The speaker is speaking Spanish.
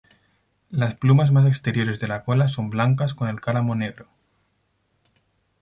Las plumas más exteriores de la cola son blancas con el cálamo negro.